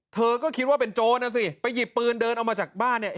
เธอก็คิดว่าเป็นโจรนะสิไปหยิบปืนเดินออกมาจากบ้านเนี่ย